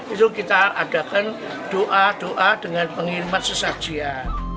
itu kita adakan doa doa dengan penghemat sesajian